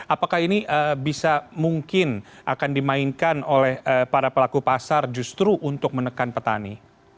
apakah ini bisa mungkin akan dimainkan oleh para pelaku pasar justru untuk menekan petani